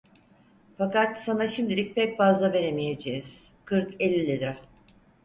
Fakat sana şimdilik pek fazla veremeyeceğiz: Kırk elli lira…